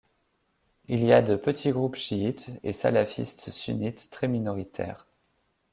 Il y a de petits groupes chiites, et salafistes sunnites très minoritaires.